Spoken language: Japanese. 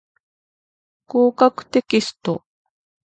合格テキスト